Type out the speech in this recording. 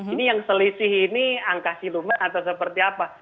ini yang selisih ini angka siluman atau seperti apa